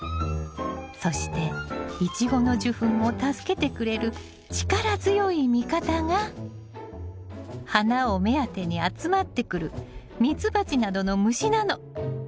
そしてイチゴの受粉を助けてくれる力強い味方が花を目当てに集まってくる蜜蜂などの虫なの！